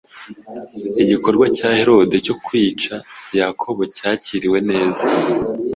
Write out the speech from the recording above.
Igikorwa cya Herode cyo kwica Yakobo cyakiriwe neza